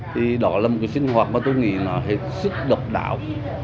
thì đó là một cái sinh hoạt mà tôi nghĩ nó hiệu sức độc đạo